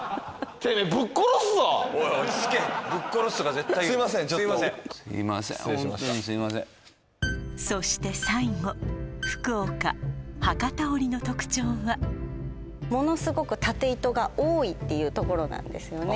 ちょっと失礼しましたそして最後福岡・博多織の特徴はものすごく経糸が多いっていうところなんですよね